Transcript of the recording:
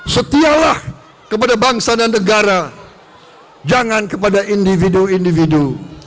setialah kepada bangsa dan negara jangan kepada individu individu